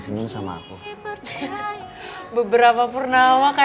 ih dasar copycat